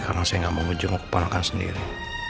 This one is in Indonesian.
karena saya gak mau jenguk kepala kan sendiri